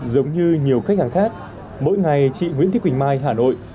giống như nhiều khách hàng khác mỗi ngày chị nguyễn thị quỳnh mai hà nội